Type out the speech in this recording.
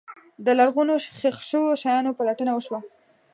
د لرغونو ښخ شوو شیانو پلټنه وشوه.